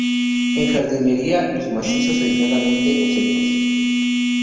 En jardinería para macizos, aisladamente o en setos.